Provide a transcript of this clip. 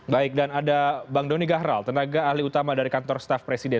baik dan ada bang doni gahral tenaga ahli utama dari kantor staff presiden